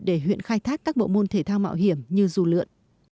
để huyện khai thác các bộ môn thể thao mạo hiểm như dù lượn